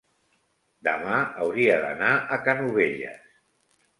demà hauria d'anar a Canovelles.